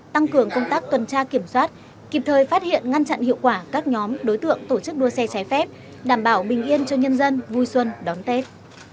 tăng cường công tác tuần tra kiểm soát kịp thời phát hiện ngăn chặn hiệu quả các nhóm đối tượng tổ chức đua xe trái phép đảm bảo bình yên cho nhân dân vui xuân đón tết